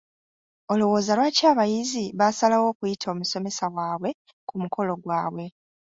Olowooza lwaki abayizi baasalawo okuyita omusomesa waabwe ku mukolo gwabwe?